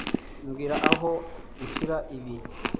Mbwira aho nshyira ibi